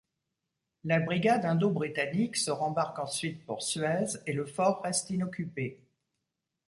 La brigade indo-britannique se rembarque ensuite pour Suez et le fort reste inoccupé.